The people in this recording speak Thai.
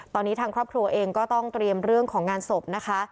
ตอนนี้ทางครอบครัวเองก็ต้องเตรียมเรื่องของงานศพนะคะ